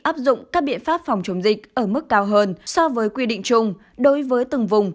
áp dụng các biện pháp phòng chống dịch ở mức cao hơn so với quy định chung đối với từng vùng